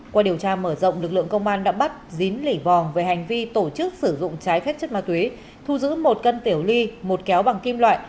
qua điều tra mở rộng lực lượng công an đã bắt dín lỷ vòng về hành vi tổ chức sử dụng trái phép chất ma túy thu giữ một cân tiểu ly một kéo bằng kim loại